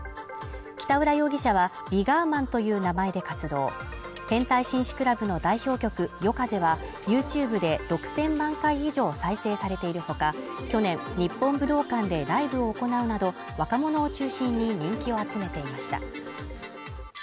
北浦容疑者はＶＩＧＯＲＭＡＮという名前で活動変態紳士クラブの代表曲「ＹＯＫＡＺＥ」はＹｏｕＴｕｂｅで６０００万回以上再生されている他、去年日本武道館でライブを行うなど、若者を中心に人気を集めていました。